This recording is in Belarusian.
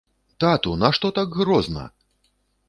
Тату, нашто так грозна!